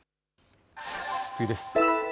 次です。